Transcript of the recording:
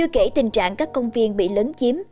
kể tình trạng các công viên bị lớn chiếm